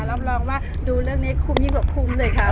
รับรองว่าดูเรื่องนี้คุ้มยิ่งกว่าคุ้มเลยค่ะ